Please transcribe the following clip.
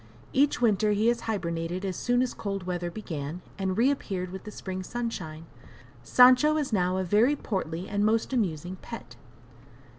Each winter he has hibernated as soon as cold weather began, and reappeared with the spring sunshine. Sancho is now a very portly, and most amusing pet.